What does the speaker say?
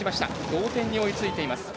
同点に追いついています。